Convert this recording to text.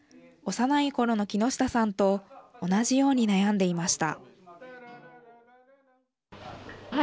幼いころの木下さんと同じように悩んでいました。